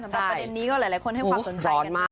สำหรับประเด็นนี้ก็หลายคนให้ความสนใจ